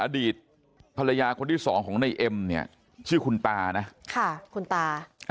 อดีตภรรยาคนที่สองของในเอ็มเนี่ยชื่อคุณตานะค่ะคุณตา